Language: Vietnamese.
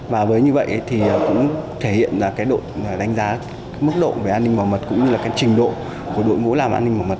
và với như vậy thì cũng thể hiện ra cái độ đánh giá mức độ về an ninh bảo mật cũng như là cái trình độ của đội ngũ làm an ninh bảo mật